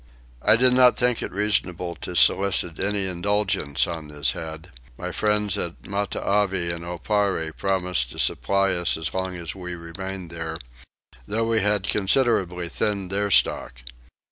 I did not think it reasonable to solicit any indulgence on this head: my friends at Matavai and Oparre promised to supply us as long as we remained here, though we had considerably thinned their stock.